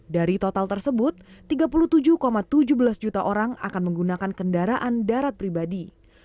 dari total tersebut tiga puluh tujuh tujuh belas juta orang akan menggunakan kendaraan darat pribadi